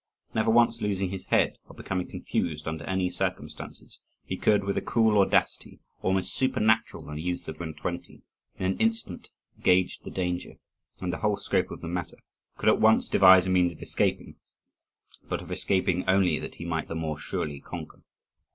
Never once losing his head or becoming confused under any circumstances, he could, with a cool audacity almost supernatural in a youth of two and twenty, in an instant gauge the danger and the whole scope of the matter, could at once devise a means of escaping, but of escaping only that he might the more surely conquer.